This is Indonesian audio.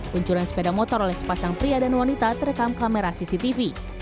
kuncuran sepeda motor oleh sepasang pria dan wanita terekam kamera cctv